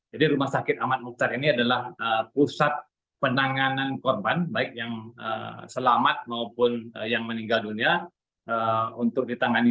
masih menggunakan dasarnya bahwa perusahaan bedroom kurang lebih banyak perdamaian dari polisi yang pinjam pete ebooking di bukit tinggi